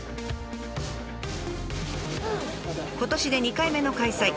今年で２回目の開催。